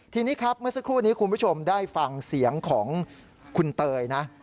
ทีนี้ครับเมื่อสักครู่นี้คุณผู้ชมได้ฟังเสียงของคุณเตยนะ